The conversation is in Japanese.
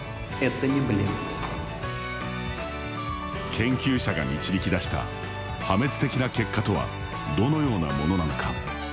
研究者が導き出した破滅的な結果とはどのようなものなのか。